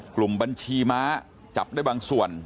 กลุ่มบัญชีม้าจับได้บางส่วน